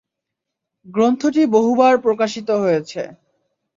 গ্রন্থটি বহুবার প্রকাশিত হয়েছে।